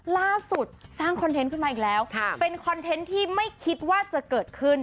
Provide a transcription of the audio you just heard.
ล่าสุดสร้างคอนเทนต์ขึ้นมาอีกแล้วเป็นคอนเทนต์ที่ไม่คิดว่าจะเกิดขึ้น